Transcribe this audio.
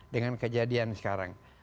dengan kejadian sekarang